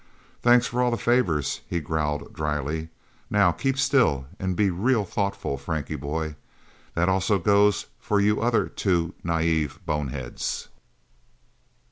"Thanks for all the favors," he growled dryly. "Now keep still, and be real thoughtful, Frankie Boy. That also goes for you other two naive boneheads..."